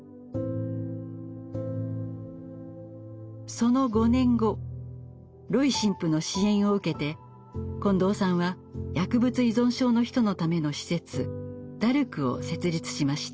その５年後ロイ神父の支援を受けて近藤さんは薬物依存症の人のための施設ダルクを設立しました。